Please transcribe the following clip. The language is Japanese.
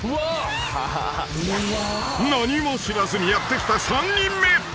［何も知らずにやって来た３人目］